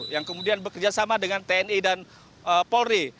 yang kemudian bekerja sama dengan tni dan polri